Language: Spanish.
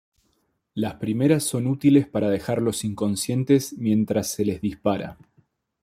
Las primeras son útiles para dejarlos inconscientes mientras se les dispara.